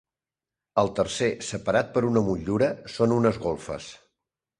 El tercer, separat per una motllura, són unes golfes.